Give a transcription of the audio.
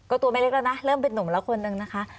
ก็ตัวไม่เล็กแล้วนะเริ่มเป็นนุ่มแล้วคนนึงนะคะ